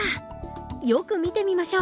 よく見てみましょう。